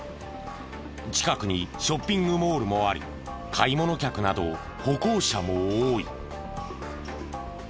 近くにショッピングモールもあり買い物客など歩行者も多い。